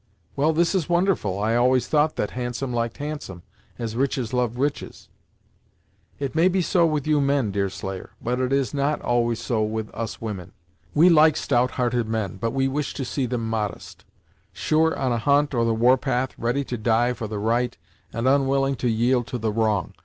"Well, this is wonderful! I always thought that handsome liked handsome, as riches love riches!" "It may be so with you men, Deerslayer, but it is not always so with us women. We like stout hearted men, but we wish to see them modest; sure on a hunt, or the war path, ready to die for the right, and unwilling to yield to the wrong.